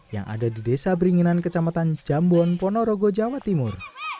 yang ada di desa beringinan kecamatan jambon ponorogo jawa timur